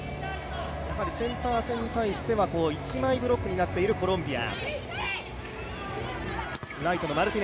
センター線に対しては一枚ブロックになっているコロンビア。